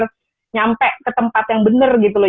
kayak ke tempat yang benar gitu loh